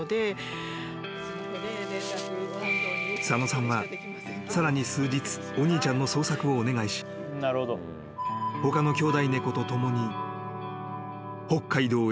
［佐野さんはさらに数日お兄ちゃんの捜索をお願いし他の］